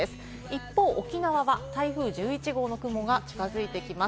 一方、沖縄は台風１１号の雲が近づいてきます。